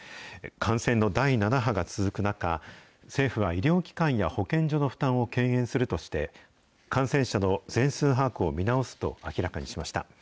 感染の第７波が続く中、政府は医療機関や保健所の負担を軽減するとして、感染者の全数把握を見直すと明らかにしました。